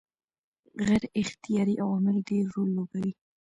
غیر اختیاري عوامل ډېر رول لوبوي.